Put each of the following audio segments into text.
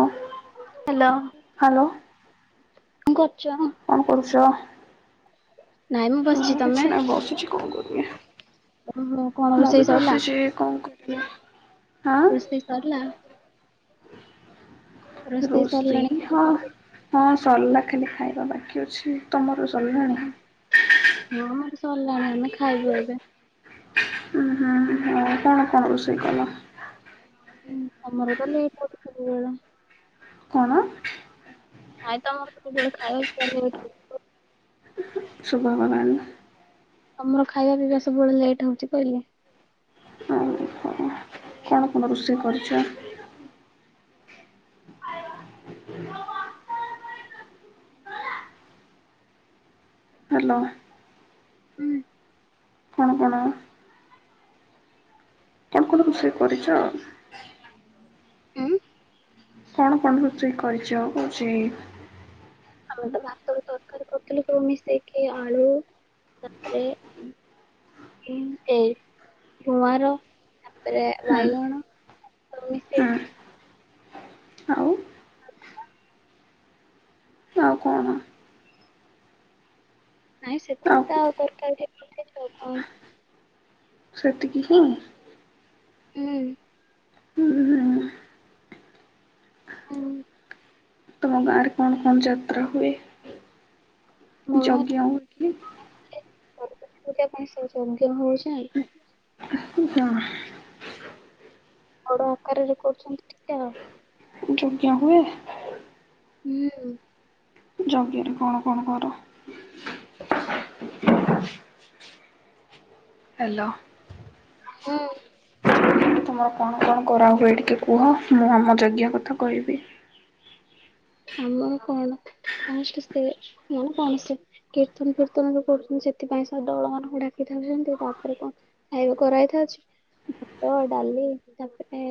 [inaudible] Hello hello କଣ କରୁଚ। କଣ କରୁଚ ନାଇଁ ମୁଁ ବସିଛି [unintelligible] ତମେ? କିଛି ନାହି ବସିଛି କଣ କରିବା। ଓହୋ କଣ ମୁଁ ରୋଷେଇ ବି ସରିଲା? ବସିଛି କଣ କରିବି ହାଁ। ରୋଷେଇ ସରିଲା। ସରିଲାଣି ରୋଷେଇ ହଁ କଣ? ହଁ ସରିଲା ଖାଲି ଖାଇବା ବାକି ଅଛି ତମର ସରିଲାଣି। ହଁ ଆମର ସରିଲାଣି ଆମେ ଖାଇବୁ ଏବେ। ଉଁ ହୁଁ ଅ ପା ଆଉ କଣ ରୋଷେଇ କଲ। ହୁଁ ତମର ତ ଲେଟେ ହଉଚି ସବୁବେଳେ। କଣ। ନାଇଁ ତମର ସବୁବେଳେ ଖାଇବା ପିଇବା ଲେଟେ ହଉଥିବ। ଶୁଭାଗଲାନି। ତମର ଖାଇବା ପିଇବା ସବୁବେଳେ ଲେଟ୍ ହଉଛି କହିଲି। ଓହୋ। କଣ କଣ ରୋଷେଇ କରିଛ। ହ୍ୟାଲୋ। ହୁଁ। କଣ କଣ। କଣ କଣ ରୋଷେଇ କରିଛ। ଉଁ। କଣ କଣ ରୋଷେଇ କରିଚ କଉଛି। ଆମେ ତ ଭାତ କୁ ତରକାରୀ କରୁଥିଲୁ ସବୁ ମିଶେଇକି ଆଳୁ ତାପରେ ବିମ୍ସ ଗୁଆଁର ତାପରେ ହୁଁ ବାଇଗଣ ଏମିିତି ସବୁ ହୁଁ ମିଶେଇକି ଆଉ। ଆଉ ତମରୀ। ଆଉ କଣ। ନାଇଁ ସେତିକି ତ ଆଉ ତରକାରୀ [unintelligible] ଆଉ କଣ। ସେତିକି ହିଁ। ଉଁ। ହୁଁ ହୁଁ। ହୁଁ। ତମ ଗାଁ ରେ କଣ କଣ ଯାତ୍ରା ହୁଏ ଯଜ୍ଞ ହୁଏ ନି କି। ସରସ୍ୱତୀ ପୂଜା ପାଇଁ ସବୁ ଯଜ୍ଞ ହଉଛି। [unintelligible] ବଡ ଆକାରରେ କରୁଛନ୍ତି ଟିକେ ଆଉ ଯଜ୍ଞ ହୁଏ। ହୁଁ। ଯଜ୍ଞରେ କଣ କଣ କର? ହାଲୋ। ହୁଁ। ତୁମର କଣ କଣ କରାହୁଏ ଟିକେ କୁହ, ମୁଁ ଆମ ଜଜ୍ଞ କଥା କହିବି। [unintelligible] କୀର୍ତ୍ତନ ଫୀର୍ତ୍ତନ ଯୋଉ କରୁଚନ୍ତି ସେଥିପାଇଁ ସେ ଦଳ ମାନଙ୍କୁ ଡାକିଥାନ୍ତି, ହେମତି ତାପରେ କଣ? ଖାଇବା କରାହେଇଥାଉଚି ଭାତ, ଡାଲି ତାପରେ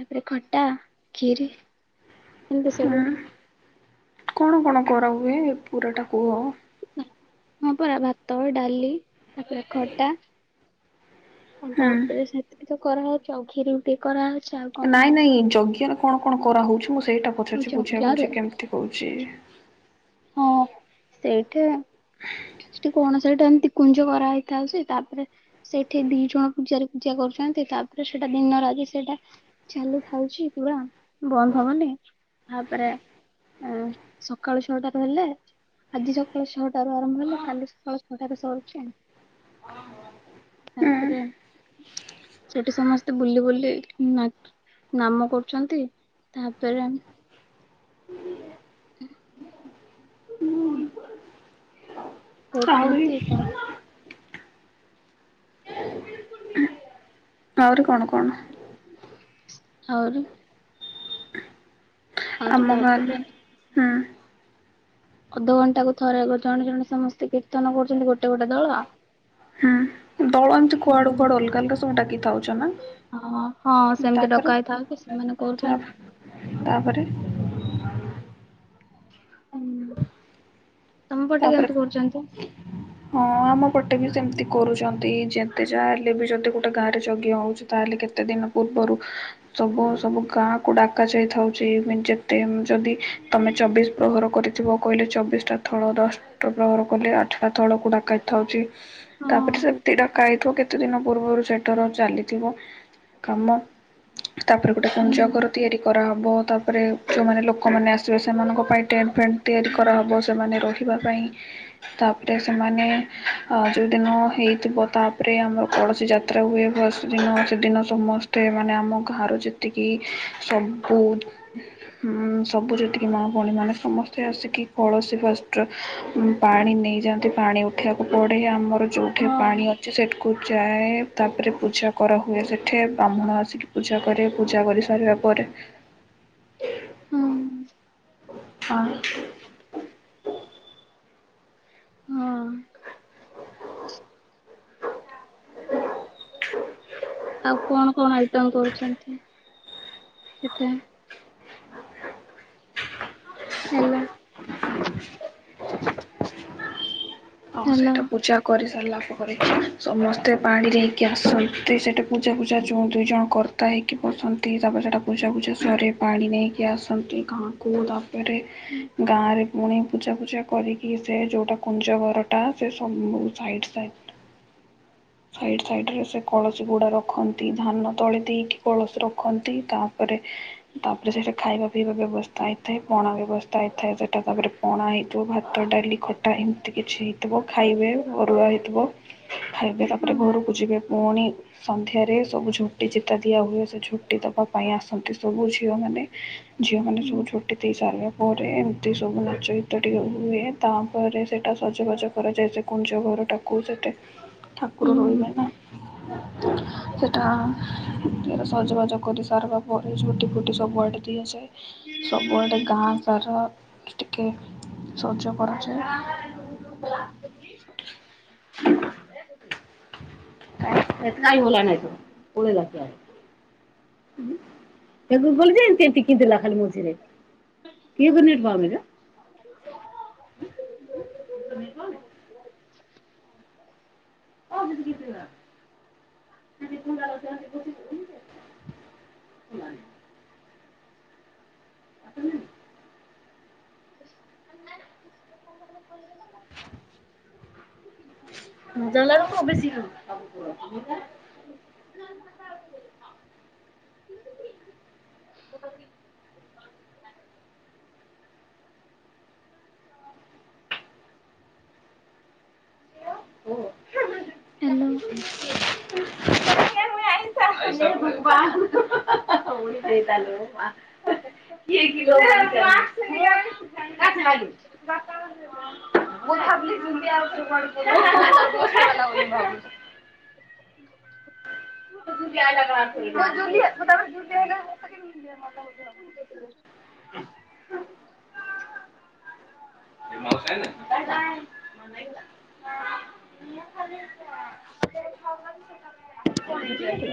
ତାପରେ ଖଟା, ଖିରି। ଏମିତି ସବୁ। ହୁଁ କଣ କଣ କରାହୁଏ ପୁରାଟା କୁହ? ହଁ ପରା ଭାତ, ଡାଲି ତାପରେ ଖଟା। ଆଉ ହୁଁ। ତାପରେ ସେତିକି ତ କରାହେଉଚି ଆଉ କ୍ଷୀରି ଗୋଟେ କରାହେଉଚି ଆଉ କଣ? ନାଇଁ ନାଇଁ ଯଜ୍ଞରେ କଣ କଣ କରାହେଉଚି ମୁଁ ସେଇଟା ପଛାରୁଚି ବୁଝିଆ ଚକିଆରେ ବୁଝି କେମିତି ହଉଚି? ହଁ ସେଇଟା ସେଇଟା କଣ ସଇଟା ଏମିତି କୁଞ୍ଜ କରା ହେଇଥାଉଚି ତାପରେ ସେଠି ଦି ଜଣ ପୂଜାରି ପୂଜା କରୁଚନ୍ତି ତାପରେ ସେଇଟା ଦିନ ରାଜି ସେଇଟା ଚାଲି ଥାଉଚି ପୁରା ବନ୍ଦ ହବନି। ତାପରେ ଏଁ ସକାଳୁ ଛଅଟା ତ ହେଲେ ଆଜି ସକାଳ ଛଅଟାରୁ ଆରମ୍ଭ ହେଲା କାଲି ସକାଳ ଛଅଟାରେ ସରୁଚି। ହୁଁ ତାପରେ ସେଟି ସମସ୍ତେ ବୁଲି ବୁଲି ନା ନାମ କରୁଚନ୍ତି। ତାପରେ ଆମେ [inaudible] ଆହୁରି କରୁଛନ୍ତି। ତା [unintelligible] ଆହୁରି କଣ କଣ? [inaudible] ଆହୁରି ଆହୁରି ଆମ ତାପରେ ଗାଁରେ--ହଁ। ଅଧଘଣ୍ଟା କୁ ଥରେ ଗୋ ଜଣେ ଜଣେ ସମସ୍ତେ କୀର୍ତ୍ତନ କରୁଚନ୍ତି ଗୋଟେ ଗୋଟେ ଦଳ। ଆ ହୁଁ ଦଳ ଏମିତି କୁଆଡୁ ହୁଁ। କୁଆଡୁ ଅଲଗା ଅଲଗା ସବୁ ଡାକିଥାଉଚ ନା। ହଁ ହଁ ସେମିତି ତାପରେ ଡକା ହେଇଥାନ୍ତିଚ ସେମାନେ କହୁଚନ୍ତି। [inaudible] ତାପରେ ହୁଁ ତମ ପଟେ ତାପରେ କେମିତି କରୁଚନ୍ତି? [inaudible] ହଁ ଆମ ପଟେ ବି ସେମିତି କରୁଚନ୍ତି, ଯେତେ ଯା ହେଲେ ବି ଯଦି ଗୋଟେ ଗାଁରେ ଯଜ୍ଞ ହୋଉଚି ତାହେଲେ କେତେ ଦିନ ପୂର୍ବରୁ ସବୁ ସବୁ ଗାଁକୁ ଡାକାଯାଇଥାଉଚି ମେନ୍ଚେ ଯେତେ ଯଦି ତମେ ଚବିଶ ପ୍ରହର କରିଥିବ କହିଲେ ଚବିଶଟା ଥ ଦଳର ଅଷ୍ଟପ୍ରହର କଲେ ଆଠ ଆଠଟା ଦଳକୁ ଡାକାଥାଉଚି। ହଁ ତାପରେ ସେମିତି ଡାକାଇଥିବ କେ ତେ ଦିନ ପୂର୍ବରୁ ସେଠାରୁ ଚାଲିଥିବ--କାମ। ତାପରେ ଗୋଟେ କୁଞ୍ଜ ହୁଁ। ଘର ତିଆରି କରାହବ। ତାପରେ ଯେଉଁମାନେ ଲୋକମାନେ ଆସିବେ ସେମାନଙ୍କ ପାଇଁ ଟେଣ୍ଟଫେଣ୍ଟ ତିଆରି କରାହେବ ସେମାନେ ରହିବା ପାଇଁ। ତାପରେ ସେମାନେ ଅଁ ଯୋଉଦିନ ହେଇଥିବ ତାପରେ ଆମର କଳସି ଯା ତ୍ରା ହୁଏ। ଭସ୍ ଦିନ ସେଦିନ ସମସ୍ତେ ମାନେ ଆମ ଗାଁରୁ ଯେତିକି ସବୁ ହୁଁ ସବୁ ଯେତିକି ମା ଭଉଣୀ ମାନେ ସମସ୍ତେ ଆସିକି କଳସ ଫଷ୍ଟ ପାଣି ନେଇଯାଆନ୍ତି ପାଣି ଉଠିବାକୁ ପଡ଼େ ଆମର ଯୋଉଠି ହଁ ପାଣି ଅଛି ସେଠୁ କୁ ଯାଏ ତାପରେ ପୂଜା କରାହୁୁଏ ସେଠି ବ୍ରାହ୍ମଣ ଆସିକି ପୂଜା କରେ ପୂଜା କରି ସାରିବା ଉପରେ ହୁଁ ହଁ। ହଁ। ଆଉ କଣ କଣ ଆଇଟମ କରୁଛନ୍ତି ସେଟା। ହେଲୋ। [inaudible] [inaudible] ଆଉ ହ୍ୟାଲୋ। ସେଇଟା ପୂଜା କରି ସାରିଲା ପରେ ସମସ୍ତେ ପାଣିରେ ହେଇକି ଆସନ୍ତି ସେଇଟା ପୂଜା ପୂଜା ଯୋଉଁ ଦୁଇ ଜଣ କର୍ତ୍ତା ହେଇକି ବସନ୍ତି ତାପରେ ସେଇଟା ପୁଜା ଫୁଜା ସାରି ପାଣି ନେଇକି ଆସନ୍ତି କଣ କଉ ତାପରେ ଗାଁ ରେ ପୁଣି ପୂଜା ପୂଜା କରିକି ସେ ଯୋଉଟା କୁଞ୍ଜ ଘର ଟା ସେ ସବୁ ସାଇଟ ସାଇ ସାଇଡ ସାଇଡ ରେ ସେ କଳସୀ ଗୁଡା ରଖନ୍ତି ଧାନ ତଳେ ଦେଇକି କଳସୀ ରଖନ୍ତି ତାପରେ ତାପରେ ସେଇଟା ଖାଇବା ପିଇବା ବ୍ୟବସ୍ଥା ହେଇଥାଏ ପଣା ବ୍ୟବସ୍ଥା ତାଇ ଥାଏ ସେଟା ତାପରେ ପଣା ହେଇଥିବ ଭାତ ଡାଲି ଖଟା ଏମିତି କିଛି ହେଇଥିବ ଖାଇବେ ଅରୁଆ ହେଇଥିବ ଖାଇବେ ହୁଁ ତାପରେ ଘରକୁ ଯିବେ ପୁଣି ସନ୍ଧ୍ୟାରେ ସବୁ ଝୋଟି ଚିତା ଦିଆ ହୁଏ ସେ ଝୋଟି ଦବା ପାଇଁ ଆସନ୍ତି ସବୁ ଝିଅ ମାନେ ଝିଅମାନେ ହୁଁ ସବୁ ଝୋଟି ଦେଇସାରିଲା ପରେ ଏମିତି ସବୁ ନାଚ ଗୀତଟିିକେ ହୁଏ। ତାପରେ ସେଇଟା ସଜବାଜ କରାଯାଏ ସେ କୁଞ୍ଜ ଘରଟାକୁ ସେଠେ ଠାକୁ ର ରଇବେ ହୁଁ। ନା। ସେଟା ସଜବାଜ କରି ସାରିବା ପରେ ଝୋଟି ଫୋଟି ସବୁ ଆଡେ ଦିଆସାଏ। ସବୁଆଡେ ଗାଁ ସାର ଟିକେ ଶଯ କରାଯାଏ। [unintelligible] ତାକୁ ଗଲେ ଯେ ଏମିତି ଏମତି କିଲା ଖାଲି ମଝିରେ କିଏ [unintelligible] ତୁମେ କଣ। ହଉ କି କିଥିଲା ସେ [unintelligible] ନାଇଁ। [unintelligible] [unintelligible] [unintelligible] [unintelligible] [inaudible] ହୁଁ। ହ୍ୟାଲୋ। [unintelligible] [unintelligible] [unintelligible] ମୁଁ ଭାବିଲି ଗୁଲିଆ ଓପରେ [unintelligible] [unintelligible] ସିଏ ଭଲ ବୁଝିବ [unintelligible] [unintelligible] [unintelligible] କଣ ହେଇଚି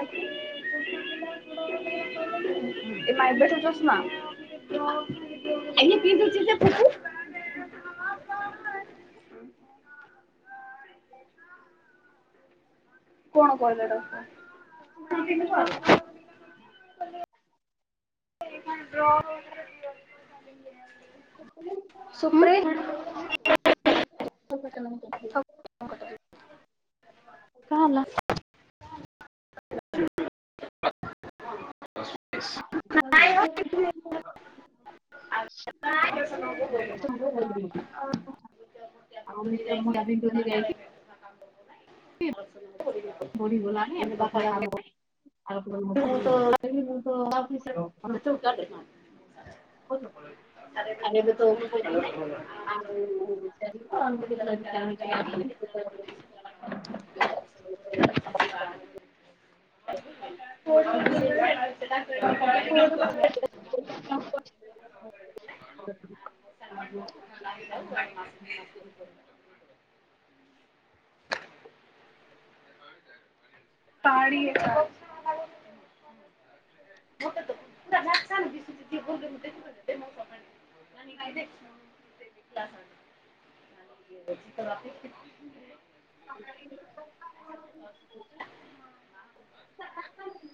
ଆସ ଏ ମାାଇବେେଠଛ ନା [unintelligible] ଆଜ୍ଞା ପି ଦୁଛିୁ [unintelligible] କଣ କହିଲ ର ର [unintelligible] ହଁ କ କରି [unintelligible] ହ [unintelligible] କା ହେଲା ଏସ୍ [inaudible] [unintelligible] [unintelligible] [unintelligible] [unintelligible] କ ଖଲି ଏବେ ତ ମୁ କହିବି ନାହିଁ ଆଉ ଆ [unintelligible] [unintelligible] [inaudible] [inaudible] ହ [unintelligible] ହ [unintelligible] [unintelligible] ପାଣି [inaudible] [unintelligible] ତ ବାପ [unintelligible] କଣ କରିବି ଆାସ [unintelligible]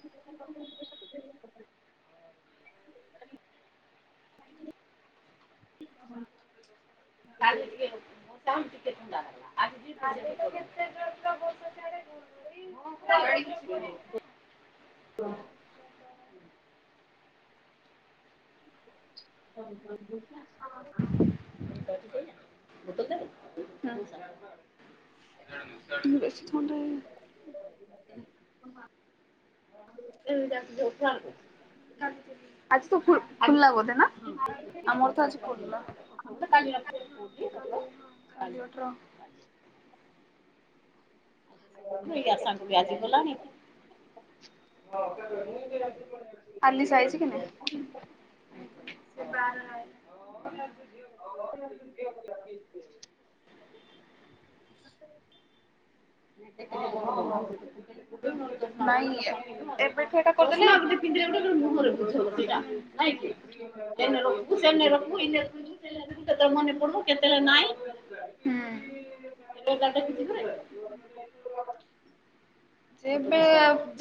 କାଲି ଟିକେ ବ ଟିକେ ଆଜି [unintelligible] [unintelligible] [inaudible] ହ ବୁଝିଲ [unintelligible] [unintelligible] ତମେ ବେଶି ଥଣ୍ଡା। [unintelligible] ହଁ [unintelligible] ଆଜି ତ ଫୁଲ ଲାଗ ନା [unintelligible] ଆମର ତ ଆଜି ପୋା କାଠ [unintelligible] [inaudible] ଭାଇଆ ସଙ୍ଗୁ ବ୍ୟାଜି ବଲାଣି [unintelligible] ଆଲିସା ଆଇଛି କି ନା [unintelligible] ସ [inaudible] ହ [inaudible] ନାଇଁ ଏବେଠୁ ଏଇଟା [unintelligible] [unintelligible] [unintelligible] ହୁଁ [unintelligible] ଯେବେ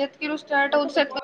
ଯେତିକି ରୁ ଷ୍ଟାର୍ଟ ହଉଛି